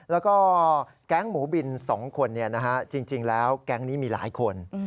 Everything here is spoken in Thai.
แล้วก็แก๊งหมูบิน๒คนจริงแล้วแก๊งนี้มีหลายคน